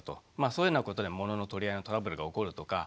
そういうようなことで物の取り合いのトラブルが起こるとか。